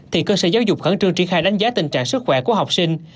thì cơ sở giáo dục khẩn trương triển khai đánh giá tình trạng sức khỏe của học sinh